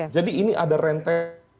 jadi ini ada rente